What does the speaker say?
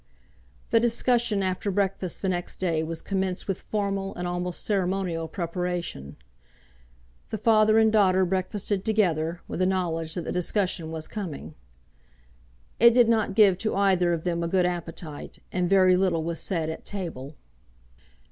The discussion after breakfast the next day was commenced with formal and almost ceremonial preparation. The father and daughter breakfasted together, with the knowledge that the discussion was coming. It did not give to either of them a good appetite, and very little was said at table.